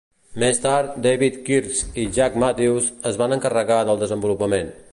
Més tard, David Kirsch i Jack Mathews es van encarregar del desenvolupament.